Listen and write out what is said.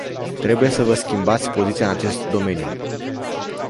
Trebuie să vă schimbați poziția în acest domeniu.